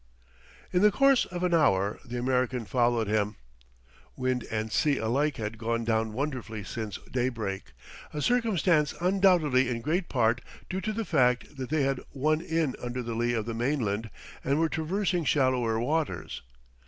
In the course of an hour the American followed him. Wind and sea alike had gone down wonderfully since daybreak a circumstance undoubtedly in great part due to the fact that they had won in under the lee of the mainland and were traversing shallower waters.